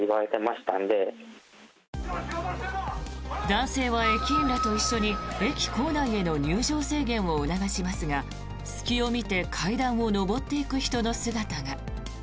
男性は駅員らと一緒に駅構内への入場制限を促しますが隙を見て階段を上っていく人の姿が。